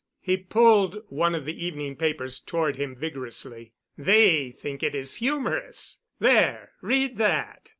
He pulled one of the evening papers toward him vigorously. "They think it is humorous. There read that."